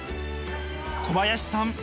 小林さん